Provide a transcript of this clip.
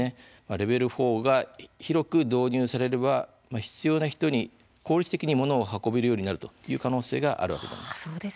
レベル４が広く導入されれば必要な人に効率的に物を運べるようになるという可能性があるわけなんです。